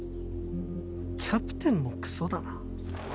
キャプテンもクソだな。